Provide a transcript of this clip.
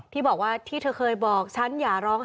ที่บอกว่าที่เธอเคยบอกฉันอย่าร้องไห้